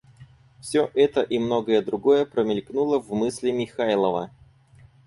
Всё это и многое другое промелькнуло в мысли Михайлова.